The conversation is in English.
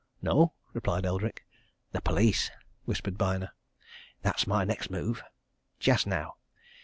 "No," replied Eldrick. "The police!" whispered Byner. "That's my next move. Just now!